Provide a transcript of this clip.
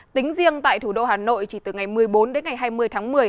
tính riêng tại thủ đô hà nội chỉ từ ngày một mươi bốn đến ngày hai mươi tháng một mươi